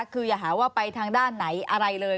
คืออย่าหาว่าไปทางด้านไหนอะไรเลย